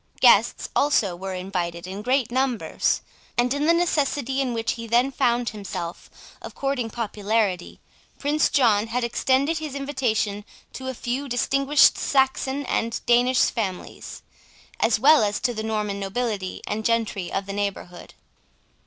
Guests also were invited in great numbers; and in the necessity in which he then found himself of courting popularity, Prince John had extended his invitation to a few distinguished Saxon and Danish families, as well as to the Norman nobility and gentry of the neighbourhood.